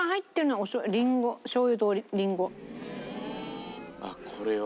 でもあっこれは。